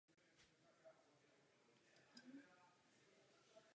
Věž samotná je sestavena z vertikálních betonových částí.